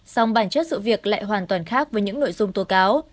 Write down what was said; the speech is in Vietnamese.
song bản chất sự việc lại hoàn toàn khác với những nội dung tố cáo